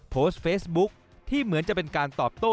โพสต์เฟซบุ๊คที่เหมือนจะเป็นการตอบโต้